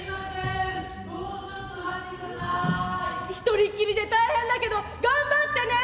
１人っきりで大変だけど頑張ってね。